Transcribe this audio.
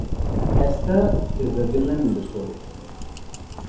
Esther is the villain in the story.